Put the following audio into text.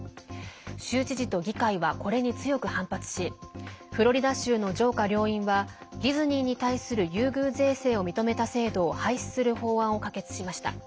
州知事と議会はこれに強く反発しフロリダ州の上下両院はディズニーに対する優遇税制を認めた制度を廃止する法案を可決しました。